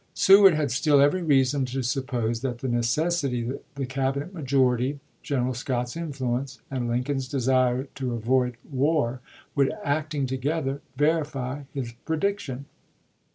Seward had still every reason to suppose that the necessity, the Cabinet majority, General Scott's influence, and Lincoln's desire to avoid war would, acting together, verify his prediction.